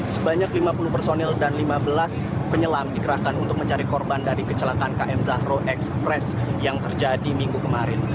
sebanyak lima puluh personil dan lima belas penyelam dikerahkan untuk mencari korban dari kecelakaan km zahro express yang terjadi minggu kemarin